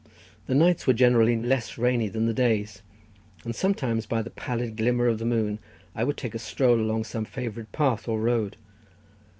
The nights were generally less rainy than the days, and sometimes by the pallid glimmer of the moon I would take a stroll along some favourite path or road.